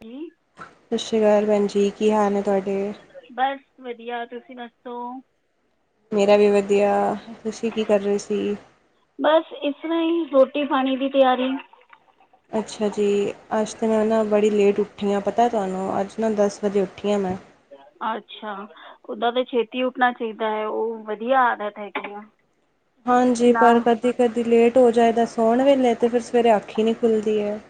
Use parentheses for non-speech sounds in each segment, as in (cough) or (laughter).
ਕੀ ਸਤਿ ਸ਼੍ਰੀ ਅਕਾਲ ਭੈਣ ਜੀ ਕੀ ਹਾਲ ਹੈ ਤੁਹਾਡੇ ਬਸ ਵਧੀਆ ਤੁਸੀਂ ਦੱਸੋ। ਮੇਰਾ ਵੀ ਵਧੀਆ ਤੁਸੀਂ ਕੀ ਕਰ ਰਏ ਸੀ। ਬਸ ਇਸ ਤਰ੍ਹਾਂ ਹੀ ਰੋਟੀ ਪਾਣੀ ਦੀ ਤਿਆਰੀ ਅੱਛਾ ਜੀ ਅੱਜ ਤਾਂ ਮੈਂ ਨਾ ਬੜੀ ਲੇਟ ਉੱਠੀ ਹਾਂ ਪਤਾ ਤੁਹਾਨੂੰ ਅੱਜ ਨਾ ਦਸ ਵਜੇ ਉੱਠੀ ਹਾਂ ਮੈਂ ਅੱਛਾ ਉਦਾਂ ਤੇ ਛੇਤੀ ਉੱਠਣਾ ਚਾਹੀਦਾ ਹੈ ਓ ਵਧੀਆ ਆਦਤ ਹੈਗੀ ਆ। ਹਾਂਜੀ ਨਾ ਪਰ ਕਦੀ-ਕਦੀ ਲੇਟ ਹੋ ਜਾਏਦਾ ਸੋਣ ਵੇਲੇ ਤੇ ਫੇਰ ਸਵੇਰੇ ਅੱਖ ਈ ਨੀ ਖੁੱਲਦੀ ਹੈ।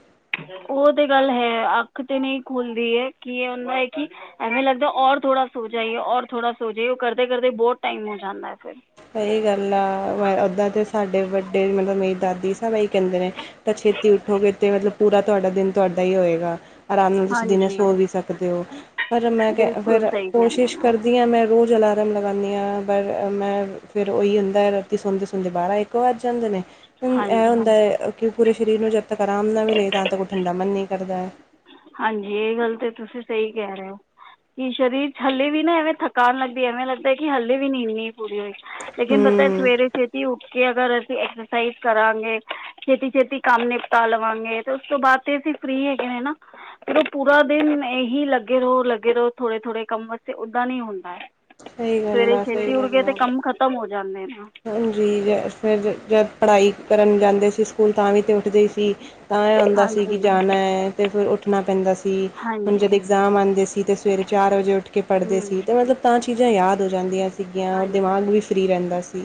ਉਹ ਤੇ ਗੱਲ ਹੈ ਅੱਖ ਤੇ ਨਹੀਂ ਖੁਲਦੀ ਹੈ ਕੀ ਹੋਂਦਾ ਹੈ ਕਿ ਐਵੇਂ ਲੱਗਦਾ ਔਰ ਥੋੜਾ ਸੋ ਜਾਈਏ ਔਰ ਥੋੜਾ ਸੋ ਜਾਈਏ ਉਹ ਕਰਦੇ ਕਰਦੇ ਬਹੁਤ ਟਾਈਮ ਹੋ ਜਾਂਦਾ ਹੈ ਫੇਰ ਸਹੀ ਗੱਲ ਆ ਵ ਉੱਦਾਂ ਤੇ ਸਾਡੇ ਵੱਡੇ ਮਤਲਬ ਮੇਰੀ ਦਾਦੀ ਸਭ ਏਹੀ ਕਹਿੰਦੇ ਨੇ। ਪਰ ਛੇਤੀ ਉੱਠੋਗੇ ਤੇ ਮਤਲਬ ਪੂਰਾ ਤੁਹਾਡਾ ਦਿਨ ਤੁਹਾਡਾ ਹੀ ਹੋਏਗਾ। ਆਰਾਮ ਨਾਲ ਤੁਸੀਂ ਦਿਨੇ ਹਾਂਜੀ ਸੋ ਵੀ ਸਕਦੇ ਹੋ। ਪਰ ਮੈਂ ਕਿਆ ਬਿਲਕੁਲ ਫੇਰ ਸਹੀ ਕਹਿੰਦੇ ਕੋਸ਼ਿਸ਼ ਨਾ ਕਰਦੀ ਹਾਂ ਮੈਂ ਰੋਜ਼ ਅਲਾ ਰਮ ਲਗਾਨੀ ਹਾਂ ਪਰ ਅ ਮੈਂ ਫਿਰ ਉਹੀ ਹੋਂਦਾ ਹੈ ਰਾਤੀ ਸੌਦੇ ਸੌਦੇ ਬਾਰਾਂ ਇੱਕ ਵੱਜ ਜਾਂਦੇ ਨੇ ਹੁਨ ਇਹ ਹਾਂਜੀ ਹੁੰਦਾ ਹੈ ਕਿ ਪੂਰੇ ਸਰੀਰ ਨੂੰ ਜਦ ਤੱਕ ਆਰਾਮ ਨਾ ਮਿਲੇ ਤਾਂ ਤੱਕ ਉੱਠਣ ਦਾ ਮਨ ਨਹੀਂ ਕਰਦਾ ਹੈ ਹਾਂਜੀ ਇਹ ਗੱਲ ਤੇ ਤੁਸੀਂ ਸਹੀ ਕਹਿ ਰਹੇ ਹੋ ਕਿ ਸਰੀਰ ਚ ਹਲੇੇ ਵੀ ਨਾ ਐਵੇਂ ਥਕਾਨ ਲੱਗਦੀ ਹੈ ਐਵੇਂ ਲੱਗਦਾ ਹੈ ਕਿ ਹਲੇੇ ਵੀ ਨੀਂਦ ਨੀ ਪੂਰੀ ਹੋਈ ਲੇਕਿਨ ਪਤਾ ਹੂੰ ਸਵੇਰੇ ਛੇਤੀ ਉੱਠ ਕੇ ਅਗਰ ਅਸੀਂ ਐਕਸਰਸਾਈਜ਼ ਕਰਾਂਗੇ ਛੇਤੀ ਛੇਤੀ ਕੰਮ ਨਿਪਟਾ ਲਵਾਂਗੇ ਤੇ ਉਸ ਤੋਂ ਬਾਅਦ ਤੇ ਅਸੀਂ ਫਰੀ ਹੈਗੇ ਨੇ ਨਾ ਫਿਰ ਉਹ ਪੂਰਾ ਦਿਨ ਇਹੀ ਲੱਗੇ ਰਹੋ ਲੱਗੇ ਰਹੋ ਥੋੜੇ ਥੋੜੇ ਕੰਮ ਵਸਤੇ ਓਦਾਂ ਨੀ ਹੋਂ ਹੈ ਸਹੀ ਗੱਲ ਸਵੇਰੇ ਆ ਸਹੀ ਛੇਤੀ ਉਠ ਗੇ ਗੱਲ ਤੇ ਆ ਕੰਮ ਖਤਮ ਹੋ ਜਾਂਦੇ ਨੇ ਨਾ ਹਾਂਜੀ ਜ ਫੇਰ ਜਦ ਪੜ੍ਹਾਈ ਕਰਨ ਜਾਂਦੇ ਸੀ ਸਕੂਲ ਤਾਂ ਵੀ ਤੇ ਉੱਠਦੇ ਈ ਸੀ ਤਾਂ ਇਹ ਹੁੰਦਾ ਸੀ ਕਿ ਹਾਂਜੀ ਜਾਣਾ ਹੈ ਤੇ ਫਿਰ ਉੱਠਣਾ ਪੈਂਦਾ ਸੀ ਹੁਣ ਹਾਂਜੀ ਜਦ ਇਗਜ਼ਾਮ ਆਉਂਦੇ ਸੀ ਤੇ ਸਵੇਰੇ ਚਾਰ ਵਜੇ ਉੱਠ ਕੇ ਪੜ੍ਹਦੇ ਹੂੰ ਸੀ ਤਾਂ ਮਤਲਬ ਤਾਂ ਚੀਜ਼ਾਂ ਯਾਦ ਹੋ ਜਾਂਦੀਆਂ ਸੀਗੀਆਂ ਔਰ ਹਾਂਜੀ ਦਿਮਾਗ ਵੀ ਫਰੀ ਰਹਿੰਦਾ ਸੀ।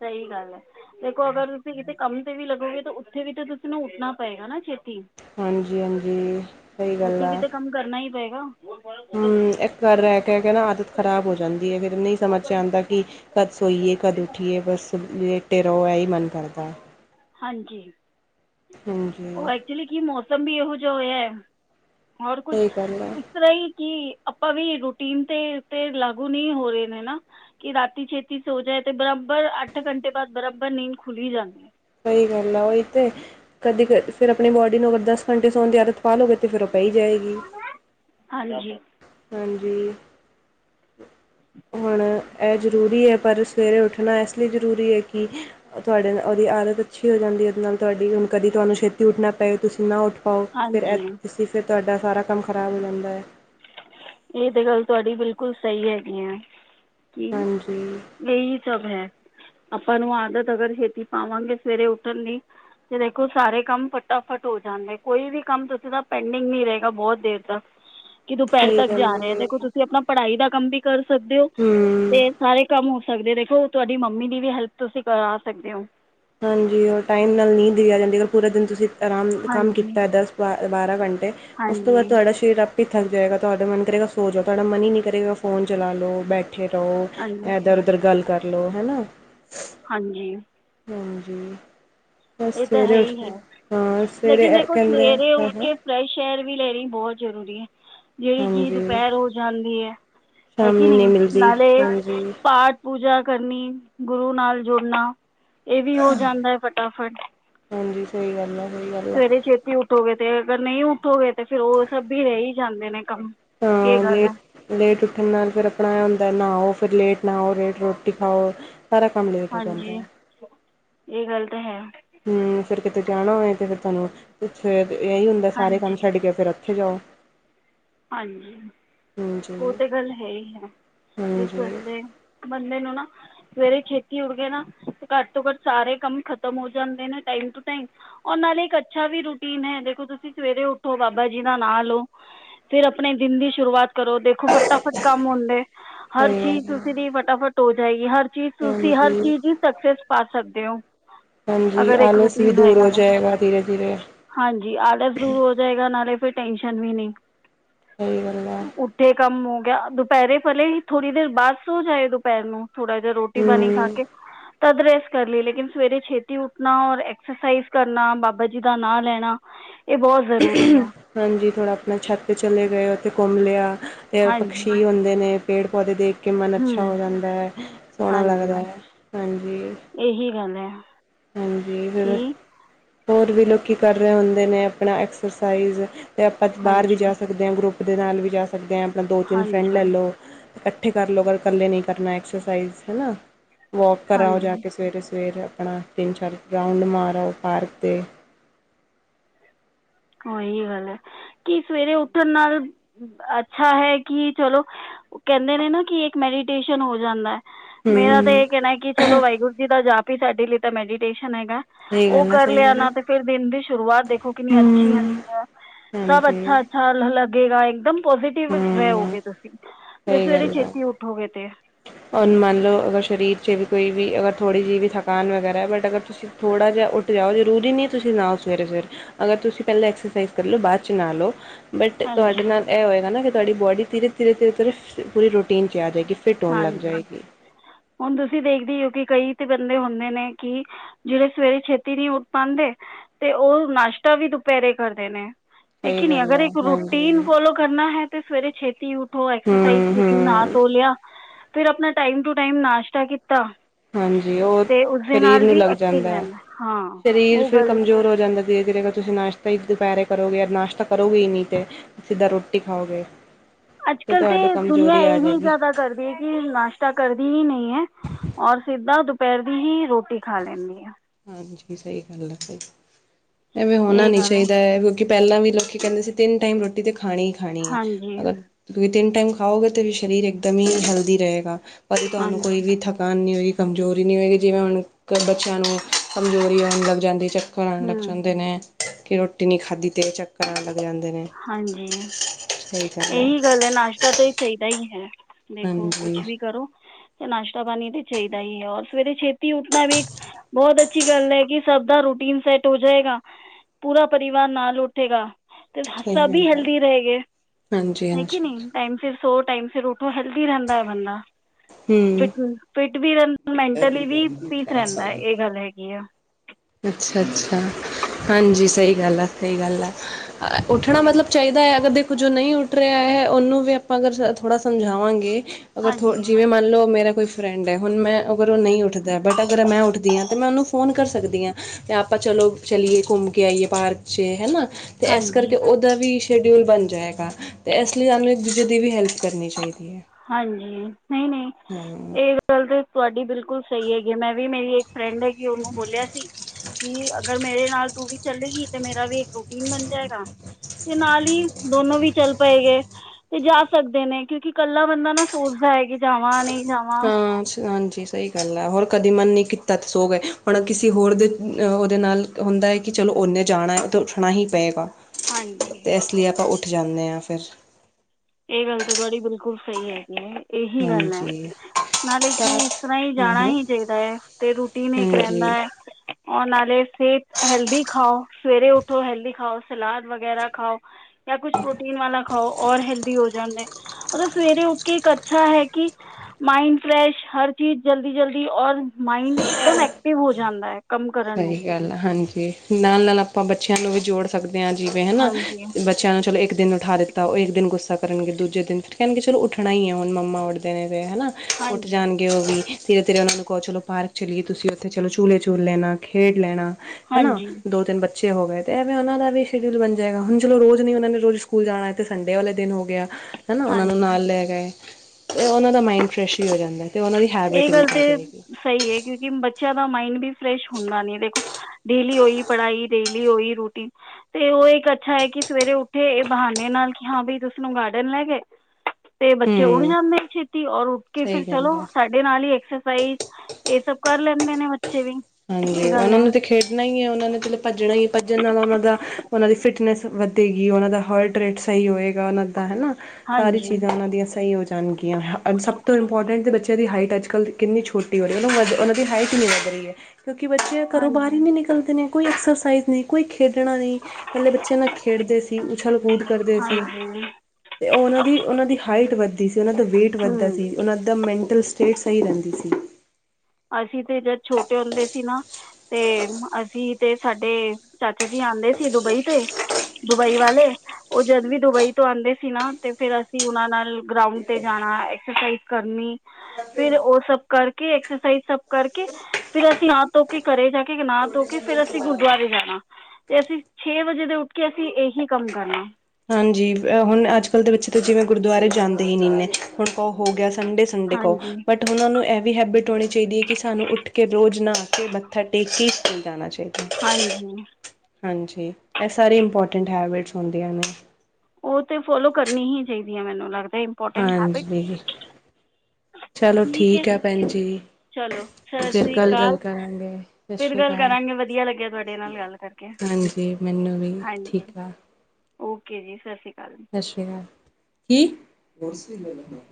ਸਹੀ ਗੱਲ ਹੈ ਦੇਖੋ ਅਗਰ ਤੁਸੀਂ ਕਿਤੇ ਕੰਮ ਤੇ ਵੀ ਲੱਗੋਗੇ ਤਾਂ ਉੱਥੇ ਵੀ ਤਾਂ ਤੁਸੀਂ ਨੂੰ ਉੱਠਣਾ ਪਏਗਾ ਨਾ ਛੇਤੀ ਹਾਂਜੀ ਹਾਂਜੀ ਸਹੀ ਗੱਲ ਉੱਥੇ ਆ ਵੀ ਤਾਂ ਕੰਮ ਕਰਨਾ ਹੀ ਪਏਗਾ ਹਮ ਇੱਕ ਘਰ ਰਹਿ ਕੇ ਕੇ ਨਾ ਆਦਤ ਖਰਾਬ ਹੋ ਜਾਂਦੀ ਹੈ ਫੇਰ ਨਹੀਂ ਸਮਝ ਚ ਆਉਂਦਾ ਕਿ ਕਦ ਸੋਈਏ ਕਦ ਉੱਠੀਏ ਬਸ ਲੇਟੇ ਰਹੋ ਏਹੀ ਮਨ ਕਰਦੈ ਹਾਂਜੀ ਹਾਂਜੀ ਉਹ ਐਕਚੁਲੀ ਕਿ ਮੌਸਮ ਵੀ ਇਹੋ ਜਿਆ ਹੋਇਆ ਹੈ ਔਰ ਕੁੱਛ ਸਹੀ ਗੱਲ ਆ ਇਸ ਤਰ੍ਹਾਂ ਹੀ ਕਿ ਆਪਾਂ ਵੀ ਰੂਟੀਨ ਤੇ ਤੇ ਲਾਗੂ ਨਹੀਂ ਹੋ ਰਹੇ ਨੇ ਨਾ ਕਿ ਰਾਤੀ ਛੇਤੀ ਸੋ ਜਾਏ ਤੇ ਬਰਾਬਰ ਅੱਠ ਘੰਟੇ ਬਾਅਦ ਬਰਾਬਰ ਨੀਂਦ ਖੁੱਲ ਹੀ ਜਾਂਦੀ ਹੈ। ਸਹੀ ਗੱਲ ਹੈ ਉਹੀ ਤੇ ਕਦੀ ਕਦੀ ਫੇਰ ਆਪਣੀ ਬੋਡੀ ਦਿਨ ਨੂੰ ਹੋਰ ਦਸ ਘੰਟੇ ਸੌਣ ਦੀ ਆਦਤ ਪਾਲੋ ਗੇ ਤੇ ਫੇਰ ਉਹ ਪਈ ਜਾਏਗੀ ਹਾਂਜੀ ਹਾਂਜੀ ਹੁਣ ਐ ਜ਼ਰੂਰੀ ਹੈ ਪਰ ਸਵੇਰੇ ਉੱਠਣਾ ਇਸ ਲਈ ਜ਼ਰੂਰੀ ਹੈ ਕਿ ਤੁਹਾਡੇ ਉਹਦੀ ਆਦਤ ਅੱਛੀ ਹੋ ਜਾਂਦੀ ਹੈ ਉਹਦੇ ਨਾਲ ਤੁਹਾਡੀ ਹੁਣ ਕਦੀ ਤੁਹਾਨੂੰ ਛੇਤੀ ਉੱਠਣਾ ਪਏ ਤੁਸੀਂ ਨਾ ਉੱਠ ਪਾਓ ਫੇਰ ਹਾਂਜੀ ਇਹ ਤੁਸੀ ਤੇ ਫੇਰ ਤੁਹਾਡਾ ਸਾਰਾ ਕੰਮ ਖ਼ਰਾਬ ਹੋ ਜਾਂਦਾ ਹੈ ਇਹ ਤੇ ਗੱਲ ਤੁਹਾਡੀ ਬਿਲਕੁਲ ਸਹੀ ਹੈਗੀ ਐਂ ਕੀ ਹਾਂਜੀ ਏਹੀ ਸਭ ਹੈ ਆਪਾਂ ਨੂੰ ਆਦਤ ਅਗਰ ਛੇਤੀ ਪਾਵਾਂਗੇ ਸਵੇਰੇ ਉੱਠਣ ਲਈ ਤੇ ਦੇਖੋ ਸਾਰੇ ਕੰਮ ਫਟਾਫਟ ਹੋ ਜਾਂਦੇ ਕੋਈ ਵੀ ਕੰਮ ਤੁਸੀਂ ਦਾ ਪੈਂਡਿੰਗ ਨੀ ਰਹੇਗਾ ਬਹੁਤ ਦੇਰ ਤਕ (inaudible) ਤੱਕ ਗੱਲ ਜਾ ਰਹੇ ਹੈ ਦੇਖੋ ਤੁਸੀਂ ਆਪਣਾ ਪੜ੍ਹਾਈ ਦਾ ਕੰਮ ਵੀ ਕਰ ਸਕਦੇ ਹੋ ਹਮ ਤੇ ਸਾਰੇ ਕੰਮ ਹੋ ਸਕਦੇ ਦੇਖੋ ਤੁਹਾਡੀ ਮੰਮੀ ਦੀ ਵੀ ਹੈਲਪ ਤੁਸੀਂ ਕਰਾ ਸਕਦੇ ਹੋ ਹਾਂਜੀ ਹੋਰ ਟਾਈਮ ਨਾਲ ਨੀਂਦ ਵੀ ਆ ਜਾਂਦੀ ਅਗਰ ਪੂਰਾ ਦਿਨ ਤੁਸੀਂ ਆਰਾਮ ਕੰਮ ਹਾਂਜੀ ਕੀਤਾ ਦਸ ਬਾਂ ਬਾਰਾਂ ਘੰਟੇ ਉਸ ਤੋਂ ਬਾਅਦ ਹਾਂਜੀ ਤੁਹਾਡਾ ਸ਼ਰੀਰ ਆਪ ਹੀ ਥੱਕ ਜਾਏਗਾ ਤੁਹਾਡਾ ਮਨ ਕਰੇਗਾ ਸੋ ਜਾਓ ਤੁਹਾਡਾ ਮਨ ਹੀ ਨਹੀਂ ਕਰੇਗਾ ਫੋਨ ਚਲਾ ਲਓ ਬੈਠ ਕਠੇ ਰ‌ਓ। ਹਾਂਜੀ ਏਧਰ ਓਧਰ ਗੱਲ ਕਰ ਲੋ ਹਨਾ। ਹਾਂਜੀ। ਹਾਂਜੀ। ਬ ਇਹ ਤਾਂ ਸਵੇਰੇ ਹੈ ਹੀ ਹੈ ਉਠਦੀ- ਹਾਂ ਸਵੇਰੇ ਲੇਕਿਨ ਐ ਦੇਖੋ ਕਈਦਾ ਸਵੇਰੇ ਉੱਠ ਕੇ ਫਰੈਸ਼ ਏਅਰ ਵੀ ਲੈਣੀ ਬੋਤ ਜ਼ਰੂਰੀ ਐ। ਜੇੜੀ ਕੀ ਹਾਂਜੀ ਦੁਪੈਰ ਹੋ ਜਾਂਦੀ ਐ। ਹੈ ਕੇ ਸ਼ਾਮੀ ਨੀ ਨਹੀਂ ਮਿਲਦੀ ਨਾਲੇ ਹਾਂਜੀ ਪਾਠ- ਪੂਜਾ ਕਰਨੀ, ਗੁਰੂ ਨਾਲ ਜੁੜਨਾ, ਏ ਵੀ ਹੋ ਜਾਂਦਾ ਐ ਫਟਾਫਟ। ਹਾਂਜੀ ਸ‌ਈ ਗੱਲ ਆ-ਸਈ ਗੱਲ ਆ। ਸਵੇਰੇ ਛੇਤੀ ਉੱਠੋਗੇ ਤੇ ਅਗਰ ਨਈ ਉੱਠੋਗੇ ਤੇ ਫੇਰ ਓ ਸਭ ਬੀ ਰੈ ਈ ਜਾਂਦੇ ਨੇ ਕੰਮ। ਇਹ ਹਾਂ ਗੱਲ ਹੈ ਲੇਟ- ਲੇਟ ਉੱਠਣ ਨਾਲ ਫੇਰ ਆਪਣਾ ਏ ਹੁੰਦਾ, ਨਾਓ -ਫੇਰ ਲੇਟ ਨਾਓ, ਲੇਟ ਰੋਟੀ ਖਾਓ। ਸਾਰਾ ਕੰਮ ਲੇਟ। ਹੋ ਜਾਂਦਾ ਹਾਂਜੀ ਹੈ ਏ ਗੱਲ ਤਾਂ ਹੈ। ਹੂੰ ਫੇਰ ਕਿਤੇ ਜਾਣਾ ਹੋਵੇ ਤੇ ਫੇ- ਤਾਨੂੰ ਉਥੇ ਏਹੀ ਹੁੰਦਾ ਸਾਰੇ ਕੰਮ ਹਾਂਜੀ ਛੱਡ ਕੇ ਫਿਰ ਓਥੇ ਜਾਓ। ਹਾਂਜੀ ਹਾਂਜੀ, ਓ ਤੇ ਗਲ ਹੈਈ ਹੈ ਹਾਂਜੀ ਇਸ ਵਸਤੇ- ਬੰਦੇ ਨੂੰ ਨਾ ਸਵੇਰੇ ਛੇਤੀ ਉਠ ਕੇ ਨਾ ਘੱਟ ਤੋਂ ਘੱਟ ਸਾਰੇ ਕੰਮ ਖਤਮ ਹੋ ਜਾਂਦੇ ਨੇ ਟਾਈਮ ਟੂ ਟਾਈਮ। ਓਨਾ ਲਈ ਇੱਕ ਅੱਛਾ ਵੀ ਰੂਟੀਨ ਐ। ਵੇਖੋ ਤੁਸੀਂ ਸਵੇਰੇ ਉੱਠੋ ਬਾਬਾ ਜੀ ਦਾ ਨਾਂ ਲਓ। ਫੇਰ ਆਪਣੇ ਦਿਨ ਦੀ ਸ਼ੁਰੂਆਤ ਕਰੋ ਦੇਖੋ ਫਟਾਫਟ ਕੰਮ ਹੁੰਦੇ। ਹਰ ਸਹੀ ਚੀਜ਼ ਗੱਲ ਹੈ, ਤੁਸੀਂ ਦੀ ਫਟਾਫਟ ਹੋ ਜਾਏਗੀ। ਹਰ ਚੀਜ਼ ਤੁਸੀਂ -ਹਰ ਹਾਂਜੀ, ਚੀਜ਼- ਸਕਸੈਸ ਪਾ ਸਕਦੇ ਓ। ਹਾਂਜੀ ਅਗਰ ਇੱਕ ਆਲਸ ਵੀ ਰੂਟੀਨ ਦੂਰ ਹੋ ਹੋਏਗਾ ਤਾਂ। ਜਾਏਗਾ ਧੀਰੇ-ਧੀਰੇ ਹਾਂਜੀ ਆਲਸ ਦੂਰ ਹੋ- ਜਾਏਗਾ ਨਾਲੇ ਫਿਰ ਟੈਨਸ਼ਨ ਵੀ ਨੀ। ਸਈ ਗੱਲ ਐ। ਉੱਠੇ ਕੰਮ ਹੋ ਗਿਆ। ਦੁਪੈਰੇ ਪਲੇ ਈ ਥੋੜੀ ਦੇਰ ਬਾਅਦ ਸੋ ਜਾਏ ਦ- ਦੁਪੈਰ ਨੂੰ ਥੋੜਾ ਜਿਆ ਰੋਟੀ ਪਾਣੀ ਖਾ ਹੂੰ, ਕੇ। ਤਦ ਰੈਸਟ ਕਰ ਲਈ। ਲੇਕਿਨ ਸਵੇਰੇ ਛੇਤੀ ਉੱਠਣਾ, ਔਰ ਐਕਸਰਸਾਈਜ਼ ਕਰਨਾ, ਬਾਬਾ ਜੀ ਦਾ ਨਾਂ ਲੈਣਾ। ਏ ਬੋ ਜ਼ਰੂਰੀ ਆ। ਹਾਂਜੀ ਥੋੜ੍ਹਾ ਆਪਣਾ ਛੱਤ ਤੇ ਚਲੇ ਗਏ। ਓਥੇ ਘੁੰਮ ਲਿਆ ਤੇ ਹਾਂਜੀ ਪਕਸ਼ੀ ਹੁੰਦ- ਦੇ ਨੇ। ਪੇੜ ਪੌਦੇ ਦੇਖ ਕੇ ਮਨ ਹੂੰ ਅੱਛਾ ਹੋ ਜਾਂਦਾ ਐ। ਸੋਹਣਾ ਲੱਗਦਾ ਹੈ ਹਾਂਜੀ। ਏਹੀ ਗੱਲ ਐ। ਹਾਂਜੀ ਫੇਰ ਹੋਰ ਵੀ ਲੋਕੀ ਕਰ ਰ‌ਏ ਹੁੰਦੇ ਨੇ ਆਪਣਾ ਐਕਸਰਸਾਈਜ਼। ਤੇ ਆਪਾਂ ਬਾਰ ਵੀ ਹਾਂਜੀ ਜਾ ਸਕਦੇ ਆਂ। ਗਰੁੱਪ ਦੇ ਨਾਲ ਵੀ ਜਾ ਸਕਦੇ ਆਂ। ਆਪਣਾ ਦੋ ਤਿੰਨ ਫਰੈਂਡ ਲੈ ਹਾਂਜੀ ਲੋ। ਕੱਠੇ ਕਰ ਲੋ ਅਗਰ ਕੱਲੇ ਨਈ ਕਰਨਾ ਐਕਸਰਸਾਈਜ਼। ਹਨਾ ਵੋਕ ਕਰ ਆਓ ਹਾਂਜੀ ਜਾ ਕੇ। ਸਵੇਰੇ-ਸਵੇਰੇ ਆਪਣਾ ਤਿੰਨ ਚਾਰ ਰਾਊਂਡ ਮਾਰਓ ਪਾਰਕ 'ਤੇ। ਹੋ ਏਹੀ ਗੱਲ ਐ। ਕੀ ਸਵੇਰੇ ਉੱਠਣ ਨਾਲ ਅੱਛਾ ਹੈ ਕੀ ਚਲੋ- ਓ ਕੈਂਦੇ ਨੇ ਨਾ ਕੀ ਇੱਕ ਮੈਡੀਟੇਸ਼ਨ ਹੋ ਜਾਂਦਾ। ਮੇਰਾ ਤਾਂ ਹੂੰ ਐ ਕੈਣਾ ਕੀ ਚਲੋ ਵਾਹਿਗੁਰੂ ਜੀ ਦਾ ਜਾਪ ਈ ਸਾਡੇ ਲਈ ਤਾਂ ਮੈਡੀਟੇਸ਼ਨ ਹੈਗਾ। ਸਹੀ ਓ ਗੱਲ ਆ ਕਰ ਸਹੀ ਲਿਆ ਗੱਲ ਆ ਨਾ ਤੇ ਫਿਰ ਦਿਨ ਦੀ ਸ਼ੁਰੂਆਤ ਦੇਖੋ ਕਿੰਨੀ ਅਛ- ਹੂੰ ਹੁੰਦੀ ਐ। ਹ ਸਭ ਹਾਂਜੀ ਅੱਛਾ-ਅੱਛਾ ਲੱਗੇਗਾ ਇੱਕਦਮ। ਪੋਜ਼ਟਿਵ ਹੂੰ ਵੈਓਗੇ ਤੁਸੀਂ। ਜੇ ਸਹੀ ਸਵੇਰੇ ਗੱਲ ਆ ਛੇਤੀ ਉੱਠੋਗੇ ਤੇ। ਔਰ ਮੰਨ ਲਓ ਅਗਰ ਸਰੀਰ 'ਚ ਵੀ ਕੋਈ ਵੀ ਅਗਰ ਥੋੜ੍ਹ ਜਿਈ ਵੀ ਥਕਾਨ ਵਗੈਰਾ ਐ ਬਟ ਅਗਰ ਤੁਸੀਂ- ਥੋੜ੍ਹਾ ਜਿਹਾ ਉਠ ਜਾਓ। ਜਰੂਰੀ ਨੀ ਤੁਸੀਂ ਨਾਓ ਸਵੇਰੇ-ਸਵੇਰੇ। ਅਗਰ ਤੁਸੀਂ ਪੇਲਾਂ ਐਕਸਰਸਾਈਜ਼ ਕਰ ਲਓ। ਬਾਅਦ' ਚ ਨਾ ਲਓ। ਬਟ ਤੁਆਡੇ ਹਾਂਜੀ ਨਾਲ ਏ ਹੋਏਗਾ ਨਾ ਕਿ ਤੁਆਡੀ ਬੋਡੀ ਧੀਰੇ ਧੀਰੇ ਧੀਰੇ ਧੀਰੇ ਪੂਰੀ ਰੂਟੀਨ 'ਚ ਆ ਜਾਏਗੀ। ਫਿਟ ਹਾਂਜੀ, ਹੁਣ ਤੁਸੀਂ ਦੇਖਦੇ ਓ ਕੀ ਕਈ ਤੇ ਬੰਦੇ ਹੁੰਦੇ ਨੇ ਕੀ- ਜੇੜੇ ਸਵੇਰੇ ਛੇਤੀ ਨੀ ਉੱਠ ਪਾਂਦੇ ਤੇ ਓ ਨਾਸ਼ਤਾ ਵੀ ਦੁਪੈਰੇ ਕਰਦੇ ਨੇ। ਹੈ ਸਹੀ ਕੇ ਨੀ। ਗੱਲ ਅਗਰ ਹੈ ਇੱਕ ਹਾਂਜੀ ਰੂਟੀਨ ਫੋਲੋ- ਕਰਨਾ ਹੈ ਤੇ ਸਵੇਰੇ ਛੇਤੀ ਉੱਠੋ ਐਕਸਰਸਾਈਜ਼ ਹੂੰ ਕੀਤੀ ਨਾਅ ਹੂੰ -ਧੋ ਲਿਆ। ਫਿਰ ਆਪਣਾ ਟਾਈਮ ਟੂ ਟਾਈਮ ਨਾਸ਼ਤਾ ਕੀਤਾ ਹਾਂਜੀ ਉਹ ਅਤੇ ਉਸਦੇ ਸਰੀਰ ਨਾਲ ਨੂੰ ਵੀ ਲੱਗ ਐਕਟਿਵ ਜਾਂਦਾ ਹੈ, ਰਹਿੰਦਾ ਹਾਂ ਸਰੀਰ ਉਹ ਫਿਰ ਗੱਲ ਕਮਜ਼ੋਰ ਹੋ ਜਾਂਦਾ ਧੀਰੇ ਧੀਰੇ ਤੁਸੀਂ ਨਾਸ਼ਤਾ ਹੀ ਦੁਪਹਿਰੇ ਕਰੋਗੇ ਯਾਰ ਨਾਸ਼ਤਾ ਕਰੋਗੇ ਹੀ ਨੀ ਤੇ ਸਿੱਧਾ ਰੋਟੀ ਖਾਓਗੇ ਅੱਜ ਕੱਲ ਤੇ ਤੁਹਾਡੀ ਦੁਨੀਆਂ ਕਮਜ਼ੋਰੀ ਆ ਇਹੀ ਜਾਏਗੀ। ਜ਼ਿਆਦਾ ਕਰਦੀ ਹੈ ਕਿ ਨਾਸ਼ਤਾ ਕਰਦੀ ਹੀ ਨਹੀਂ ਹੈ ਔਰ ਸਿੱਧਾ ਦੁਪਹਿਰ ਦੀ ਹੀ ਰੋਟੀ ਖਾ ਲੈਂਨੀ ਆ ਹਾਂਜੀ ਸਹੀ ਗੱਲ ਆ ਸਹੀ ਐਵੇਂ ਹੋਣਾ ਇਹ ਨੀ ਗੱਲ ਹੈ। ਚਾਹੀਦਾ ਵੀ ਕਿ ਪਹਿਲਾਂ ਵੀ ਲੋਕੀ ਕਹਿੰਦੇ ਸੀ ਤਿੰਨ ਟਾਈਮ ਰੋਟੀ ਤੇ ਖਾਣੀ ਹੀ ਖਾਣੀ ਹੈ, ਹਾਂਜੀ ਅਗਰ ਕਿਉਂਕਿ ਤਿੰਨ ਟਾਈਮ ਖਾਓਗੇ ਤੇ ਸ਼ਰੀਰ ਇੱਕਦਮ ਹੀ ਹੈਲਦੀ ਰਹੇਗਾ ਪਰ ਤੁਹਾਨੂੰ ਕੋਈ ਹਾਂਜੀ ਵੀ ਥਕਾਨ ਨਹੀਂ ਹੋਏਗੀ ਕਮਜ਼ੋਰੀ ਨਹੀਂ ਹੋਏਗੀ ਜਿਵੇਂ ਹੁਣ ਕ ਬੱਚਿਆਂ ਨੂੰ ਕਮਜ਼ੋਰੀ ਆਉਣ ਲੱਗ ਜਾਂਦੀ, ਚੱਕਰ ਆਉਣ ਲੱਗ ਹੂੰ ਜਾਂਦੇ ਨੇ ਕਿ ਰੋਟੀ ਨਹੀਂ ਖਾਧੀ ਤੇਰੇ ਚੱਕ ਕਲਰ ਲਗ ਜਾਂਉਦੇ ਨੇ ਹਾਂਜੀ ਇਹੀ ਗੱਲ ਹੈ ਨਾਸ਼ਤੇ ਤਾਂ ਤੇ ਏ ਚਾਹੀਦਾ ਹੀ ਹੈ, ਦੇਖੋ ਹਾਂਜੀ ਕੁਛ ਵੀ ਕਰੋ ਨਾਸ਼ਤਾ ਪਾਣੀ ਤਾਂ ਚਾਹੀਦਾ ਹੀ ਹੈ, ਔਰ ਸਵੇਰੇ ਛੇਤੀ ਉੱਠਣਾ ਵੀ ਬਹੁਤ ਅੱਛੀ ਗੱਲ ਹੈ ਕਿ ਸਭ ਦਾ ਰੂਟੀਨ ਸੈੱਟ ਹੋ ਜਾਏਗਾ ਪੂਰਾ ਪਰਿਵਾਰ ਨਾਲ ਉੱਠੇਗਾ ਸਹੀ ਸਭੀ ਗੱਲ ਹੈ ਹੈਲਦੀ ਰਹੇਗੇ, ਹਾਂਜੀ ਹੈ ਕੀ ਹਾਂਜੀ ਨਹੀਂ ਟਾਈਮ ਸ ਸੌ ਟਾਈਮ ਸਿਰ ਉਠੋ, ਹੈਲਦੀ ਰਹਿਦਾ ਹੈ ਬੰਦਾ ਹਮ ਫਟ ਫਿਟ ਵੀ ਰਹਿੰਦਾ ਮੈਂਟਲੀ ਵੀ ਪੀਸ ਰਹਿੰਦਾ ਇਹ ਗੱਲ ਹੈਗੀ ਆ ਅੱਛਾ ਅੱਛਾ ਹਾਂਜੀ ਸਹੀ ਗੱਲ ਆ ਸਹੀ ਗੱਲ ਹੈ ਉੱਠਣਾ ਉਹੀ ਮਤਲਬ ਚਾਹੀਦਾ ਅਗਰ ਦੇਖੋ ਜੋ ਨਹੀਂ ਉੱਠ ਰਿਹਾ ਹੈ ਉਹਨੂੰ ਵੀ ਆਪਾਂ ਅਗਰ ਥੋੜਾ ਸਮਝਾਵਾਂਗੇ ਅਗਰ ਹਾਂਜੀ ਜਿਵੇਂ ਮੰਨ ਲਓ ਮੇਰਾ ਕੋਈ ਫਰੈਂਡ ਹੈ ਹੁਣ ਮੈਂ ਅਗਰ ਉਹ ਨਹੀਂ ਉੱਠਦਾ, ਬਟ ਅਗਰ ਮੈਂ ਉਠਦੀ ਤਾਂ ਮੈਂ ਉਹਨੂੰ ਫੋਨ ਕਰ ਸਕ ਸਕਦੀ ਹਾਂ, ਤੇ ਆਪਾਂ ਚਲੋ ਚਲੀਏ ਘੁੰਮ ਕੇ ਆਈਏ ਪਾਰਕ ਚ ਹਨਾ ਤੇ ਇਸ ਕਰਕੇ ਹਾਂਜੀ ਉਹ ਔਦਾ ਵੀ ਸ਼ਡਿਊਲ ਬਣ ਜਾਏਗਾ, ਅਤੇ ਇਸ ਲਈ ਸਾਨੂੰ ਇੱਕ ਦੂਜੇ ਦੀ ਵੀ ਹੈਲਪ ਕਰਨੀ ਚਾਹੀਦੀ ਹੈ ਹਾਂਜੀ ਨਹੀਂ ਨਹੀਂ ਹਾਂ ਗਲ ਤਾਂ ਤੁਹਾਡੀ ਬਿਲਕੁਲ ਸਹੀ ਹੈਗੀ ਮੈਂ ਵੀ ਮੇਰੀ ਇੱਕ ਫਰੈਂਡ ਹੈਗੀ ਉਹਨੂੰ ਬੋਲਿਆ ਸੀ ਕਿ ਅਗਰ ਮੇਰੇ ਨਾਲ ਤੂੰ ਵੀ ਚਲੇਗੀ ਤੇ ਮੇਰਾ ਵੀ ਇੱਕ ਰੂਟੀਨ ਬਣ ਜਾਏਗਾ ਤੇ ਨਾਲ ਹੀ ਦੋਨੋ ਵੀ ਚੱਲ ਪਏ ਗਏ ਤੇ ਜਾ ਸਕਦੇ ਨੇ ਕਿਉਂਕਿ ਇਕੱਲਾ ਬੰਦਾ ਨਾ ਸੋਚਦਾ ਹੈ ਕਿ ਜਾਵਾਂ ਨਹੀਂ ਜਾਵਾਂ ਹਾਂ ਅੱਛਾ, ਹਾਂਜੀ ਸਹੀ ਗੱਲ ਆ, ਹੋਰ ਕਦੀ ਮਨ ਨਹੀਂ ਕੀਤਾ ਤਾਂ ਸੋ ਗਏ ਹੁਣ ਕਿਸੇ ਹੋਰ ਦੇ ਉਹਦੇ ਨਾਲ ਹੁੰਦਾ ਹੈ ਕਿ ਚਲੋ ਓਨੇ ਜਾਣਾ ਹੈ ਤੇ ਉੱਠਣਾ ਹੀ ਪਏਗਾ ਹਾਂਜੀ ਅਤੇ ਇਸ ਲਈ ਆਪਾਂ ਉੱਠ ਜਾਂਦੇ ਹਾਂ ਫਿਰ ਇਹ ਗੱਲ ਤਾਂ ਤੁਹਾਡੀ ਬਿਲਕੁਲ ਸਹੀ ਹੈਗੀ ਹੈ ਇਹੀ ਗੱਲ ਹੈ ਹਾਂਜੀ ਨਾਲੇ ਕਿ ਹਾਂ ਇਸ ਤਰ੍ਹਾਂ ਈ ਹਾਂ ਜਾਣਾ ਹੀ ਚਾਹੀਦਾ ਏ ਤੇ ਰੂਟੀਨ ਇੱਕ ਰੇਂਦਾ ਹਾਂਜੀ ਏ। ਉਹ ਨਾਲੇ ਸੇਬ ਹੈਲਦੀ ਖਾਓ। ਸਵੇਰੇ ਉਠੋ ਹੈਲਦੀ ਖਾਓ, ਸਲਾਦ ਵਗੈਰਾ ਖਾਓ। ਜਾਂ ਕੁਛ ਪ੍ਰੋਟੀਨ ਵਾਲਾ ਖਾਓ ਔਰ ਹੈਥ ਹੋ ਜਾਂਦੇ। ਅਗਰ ਸਵੇਰੇ ਉੱਠ ਕੇ ਇੱਕ ਅੱਛਾ ਹੈ ਕਿ ਮਾਇੰਡ ਫੈਸ਼ ਹਰ ਚੀਜ਼ ਜਲਦੀ-ਜਲਦੀ ਔਰ ਮਾਇੰਡ ਇਕਦਮ ਐਕਟਿਵ ਹੋ ਜਾਂਦਾ ਏ। ਕੰਮ ਕਰਨ ਸਹੀ ਨੂੰ ਗੱਲ ਹਾਂਜੀ ਨਾਲ-ਨਾਲ ਆਪਾਂ ਬੱਚਿਆਂ ਨੂੰ ਵੀ ਜੋੜ ਸਕਦੇ ਹਾਂ ਜਿਵੇਂ ਹੈਨਾ। ਹਾਂਜੀ ਬੱਚਿਆਂ ਨਾ ਚਲੋ ਇੱਕ ਦਿਨ ਉਠਾ ਦਿੱਤਾ ਓਹ ਏਕ ਦਿਨ ਗੁੱਸਾ ਕਰਨਗੇ, ਦੂਜੇ ਦਿਨ ਕਹਿਣਗੇ ਚਲੋ ਉੱਠਣਾ ਉਸ ਏ ਹੁਣ ਮੰਮਾ ਉੱਡਦੇ ਨੇ ਤੇ ਹੈਨਾ। ਉੱਠ ਹਾਂਜੀ ਜਾਣਗੇ ਉਹ ਵੀ ਤੇਰੇ-ਤੇਰੇ ਉਹਨਾਂ ਨੂੰ ਕਹੋ ਚਲੋ ਪਾਰਕ ਚਲੀਏ। ਤੁਸੀਂ ਓਥੇ ਚਲੋ ਝੂਲੇ, ਝੂਲ ਲੈਣਾ। ਖੇਡ ਲੈਣਾ ਹੈਨਾ, ਹਾਂਜੀ ਦੋ-ਤਿੰਨ ਬੱਚੇ ਬੱਚੇ ਹੋ ਗਏ ਤੇ ਐਵੇ ਉਹਨਾਂ ਦਾ ਵੀ ਸ਼ਡਿਊਲ ਬਣ ਜਾਏਗਾ। ਹੁਣ ਚਲੋ ਰੋਜ਼ ਨੀ ਉਹਨਾਂ ਨੇ ਰੋਜ਼ ਸਕੂਲ ਜਾਣਾ ਤੇ ਸੰਡੇ ਵਾਲੇ ਦਿਨ ਹੋ ਗਿਆ। ਹੈਨਾ ਓਨਾਂ ਨੂੰ ਹਾਂਜੀ ਨਾਲ ਲੈ ਗਏ ਤੇ ਓਨਾਂ ਦਾ ਮਾਇੰਡ ਫਰੈਸ਼ ਵੀ ਹੋ ਜਾਂਦਾ ਤੇ ਓਨਾਂ ਦੀ ਹੈਬਿਟ ਏਹ ਵੀ ਗੱਲ ਤੇ ਪੈ ਜਾਏਗੀ ਸਹੀ ਏ ਕਿਉਂਕਿ ਬੱਚਿਆਂ ਦਾ ਮਾਇੰਡ ਵੀ ਫਰੈਸ਼ ਹੁੰਦਾ ਨੀ ਦੇਖੋ ਡੇਲੀ ਹੋਈ ਪੜ੍ਹਾਈ, ਡੇਲੀ ਹੋਈ ਰੂਟੀਨ। ਤੇ ਓਹ ਏਕ ਅੱਛਾ ਏ ਕਿ ਸਵੇਰੇ ਉੱਠੇ ਇਹ ਬਹਾਨੇ ਨਾਲ ਕਿ ਹਾਂ ਬਈ ਤੁਸ ਨੂੰ ਗਾਰਡਨ ਲੈ ਗਏ। ਤੇ ਬੱਚੇ ਉੱਠ ਹਮ ਜਾਂਦੇ ਛੇਤੀ ਔਰ ਉੱਠ ਕੇ ਸਹੀ ਫੇਰ ਗੱਲ ਚਲੋ। ਹੈ ਸਾਡੇ ਨਾਲ ਹੀ ਐਕਸਰਸਜ਼ ਏਹ ਸਭ ਕਰ ਲੈਂਦੇ ਨੇ ਬੱਚੇ। ਵੀ ਇਹ ਹਾਂਜੀ ਗੱਲ ਓਨਾਂ ਹੈ ਨੂੰ ਤੇ ਖੇਡ ਭੱਜਣਾ ਈ ਏ ਓਨਾਂ ਨੇ ਚਲ ਭੱਜਣਾ ਹੀ ਭੱਜਣ ਨਾਲ ਓਨਾਂ ਦਾ ਓਨਾਂ ਦੀ ਫਿਟਨੈਸ ਵੱਧੇਗੀ ਓਨਾਂ ਦਾ ਹਾਰਟ ਰੇਟ। ਸਹੀ ਹੋਏਗਾ ਓਨਾਂ ਦਾ ਹੈਨਾ। ਸਾਰੀ ਹਾਂਜੀ ਚੀਜ਼ਾਂ ਉਹਨਾਂ ਦੀਆਂ ਸਹੀ ਹੋ ਜਾਣਗੀਆਂ ਸਭ ਤੋਂ ਇੰਪੋਰਟੈਂਟ ਦੇ ਬੱਚੇ ਬੱਚੇਆਂ ਦੀ ਹਾਈਟ ਅੱਜ-ਕੱਲ੍ਹ ਕਿੰਨੀ ਛੋਟੀ ਹੋ ਰਹੀ ਮਤਲਬ ਵਧ ਉਹਨਾਂ ਦੀ ਹਾਈਟ ਹੀ ਨੀ ਵਧ ਰਹੀ ਹੈ। ਕਿਉਂਕਿ ਬੱਚੇ ਘਰੋਂ ਬਾਹਰ ਈ ਹਾਂਜੀ ਨਈ ਨਿਕਲਦੇ ਨੇ ਕੋਈ ਐਕਸਰਸਾਈਜ਼ ਨਈ, ਕੋਈ ਖੇਡਣਾ ਨਈ। ਪੈਲੇ ਬੱਚੇਆ ਨਾਲ ਖੇਡਦੇ ਸੀ। ਉਛਲ ਕੂਦ ਕਰਦੇ ਸੀ। ਹਾਂਜੀ ਤੇ ਓਨਾਂ ਦੀ ਓਨਾਂ ਦੀ ਹਾਈਟ ਵਧ ਦੀ ਸੀ। ਓਨਾਂ ਦਾ ਵੇਟ ਵੱਧਦਾ ਹੂੰ ਸੀ, ਓਨਾਂ ਦਾ ਮੈਂਟਲ ਸਟੇਟ ਸਹੀ ਰੇਂਦੀ ਸੀ। ਅਸੀਂ ਤੇ ਜਦ ਛੋਟੇ ਹੁੰਦੇ ਸੀ ਨਾ। ਤੇ ਅਸੀਂ ਤੇ ਸਾਡੇ ਚਾਚਾ ਜੀ ਆਂਦੇ ਸੀ ਦੁਬਈ ਦੇ। ਦੁਬਈ ਵਾਲੇ। ਉਹ ਜਦ ਵੀ ਦੁਬਈ ਤੋਂ ਆਂਦੇ ਸੀ ਨਾ ਤੇ ਫਿਰ ਅਸੀਂ ਉਹ ਨਾਲ ਗਰਾਉਂਡ ਤੇ ਜਾਣਾ ਐਕਸਰਸਾਈਜ਼। ਕਰਨੀ ਫੇਰ ਉਹ ਸਭ ਕਰਕੇ ਐਕਸਰ ਸਹੀ ਸਭ ਕਰਕੇ ਫੇਰ ਅਸੀਂ ਨਾ ਤੋ ਕੇ ਘਰੇ ਜਾ ਕੇ ਨਾ ਧੋ ਕੇ ਫੇਰ ਅਸੀਂ ਗੁਰਦੁਆਰੇ ਜਾਣਾ। ਤੇ ਅਸੀਂ ਛੇ ਵਜੇ ਦੇ ਉੱਠ ਕੇ ਅਸੀਂ ਏਹੀ ਕੰਮ ਕਰਨਾ। ਹਾਂਜੀ ਹੁਣ ਅੱਜ-ਕੱਲ੍ਹ ਦੇ ਵਿੱਚੇ ਤੇ ਜਿਵੇਂ ਗੁਰਦੁਆਰੇ ਜਾਂਦੇ ਹੀ ਨੀ ਨੇ। ਹੁਣ ਕਹੋ ਹੋ ਗਿਆ ਸੰਡੇ-ਸੰਡੇ ਕਹੋ ਹਾਂਜੀ ਬਟ। ਓਨਾਂ ਨੂੰ ਏਹ ਵੀ ਹੈਬਿਟ ਹੋਣੀ ਚਾਹੀਦੀ ਐ ਕਿ ਸਾਨੂੰ ਉੱਠ ਕੇ ਰੋਜ਼ ਨਹਾ ਕੇ ਮੱਥਾ ਟੇਕ ਕੇ ਹੀ ਸਕੂਲ ਜਾਣਾ ਚਾਹੀਦਾ। ਹਾਂਜੀ। ਹਾਂਜੀ, ਏਹ ਸਾਰੀ ਇੰਪੋਰਟੈਂਟ ਹੈਬਿਟਸ ਹੁੰਦੀਆਂ ਨੇ। ਉਹ ਤੇ ਫੋਲੋ ਕਰਨੀ ਹੀ ਚਾਹੀਦੀ ਏ, ਮੈਨੂੰ ਲੱਗਦਾ ਐ। ਹਾਂਜੀ ਚਲੋ ਠੀਕ ਐ ਭੈਣ ਜੀ। ਚਲੋ, ਸਤਿ ਫਿਰ ਸ੍ਰੀ ਕੱਲ ਅਕਾਲ ਗੱਲ ਕਰਾਂਗੇ ਸਤਿ ਫਿਰ ਸ਼੍ਰੀ ਗੱਲ ਅਕਾਲ ਕਰਾਂਗੇ ਵਧੀਆ ਲੱਗਿਆ ਤੁਆਡੇ ਨਾਲ ਗੱਲ ਕਰ ਕੇ। ਹਾਂਜੀ ਮੈਨੂੰ ਵੀ ਠੀਕ ਆ। ਓਕੇ ਜੀ ਸਤਿ ਸ੍ਰੀ ਅਕਾਲ ਜੀ। ਸਤਿ ਸ੍ਰੀ ਅਕਾਲ, ਕੀ।